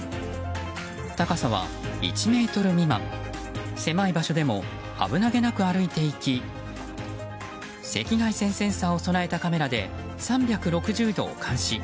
高さは１ｍ未満狭い場所でも危なげなく歩いていき赤外線センサーを備えたカメラで３６０度を監視。